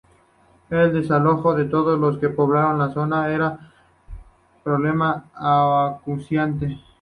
El desalojo de todos los que poblaban la zona era un problema acuciante.